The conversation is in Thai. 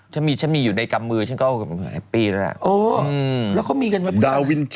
ใช่ถ้าอยู่ในกำมือฉันก็หายปีแล้ว